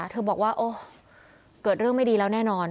เธอบอกว่าโอ้เกิดเรื่องไม่ดีแล้วแน่นอน